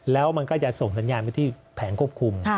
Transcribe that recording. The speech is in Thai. แล้วมันก็จะส่งสัญญาณไปที่แผนควบคุม